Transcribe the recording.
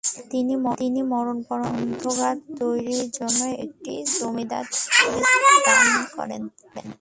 তিনি মরণোত্তর গ্রন্থাগারটি তৈরির জন্য এই জমি দান করেন।